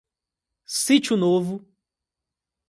Sítio Novo